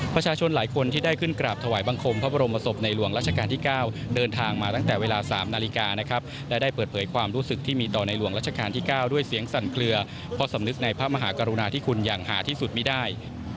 ประชาชนหลายคนที่ได้ขึ้นกราบถวายบังคมพระบรมศพในหลวงราชการที่๙เดินทางมาตั้งแต่เวลา๓นาฬิกานะครับและได้เปิดเผยความรู้สึกที่มีต่อในหลวงรัชกาลที่๙ด้วยเสียงสั่นเคลือเพราะสำนึกในพระมหากรุณาที่คุณอย่างหาที่สุดไม่ได้